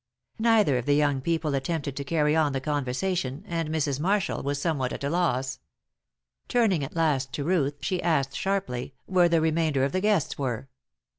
Neither of the young people attempted to carry on the conversation, and Mrs. Marshall was somewhat at a loss. Turning at last to Ruth, she asked sharply where the remainder of the guests were.